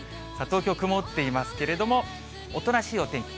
東京、曇っていますけれども、おとなしいお天気。